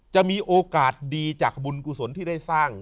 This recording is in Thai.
จะมีโอกาสดีจากบุญกุศลที่ได้สร้าง